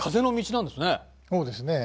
そうですね。